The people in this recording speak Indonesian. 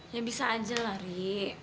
ya bisa aja lah ri